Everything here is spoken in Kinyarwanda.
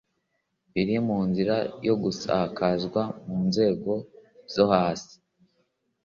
biri mu nzira yo gusakazwa mu nzego zo hasi.